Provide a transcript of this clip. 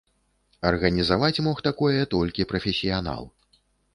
Арганізаваць мог такое толькі прафесіянал.